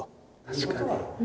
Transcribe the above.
確かに。